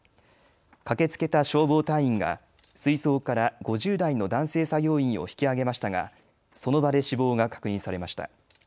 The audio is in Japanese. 駆けつけた消防隊員が水槽から５０代の男性作業員を引きあげましたがその場で死亡が確認されました。